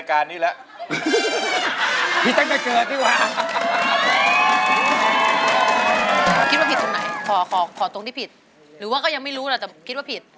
คุณโทรดิร้องได้หรือร้องผิดครับ